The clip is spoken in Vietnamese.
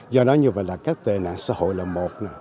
do đó như vậy là các tệ nạn xã hội là một